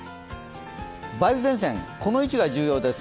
梅雨前線、この位置が重要です。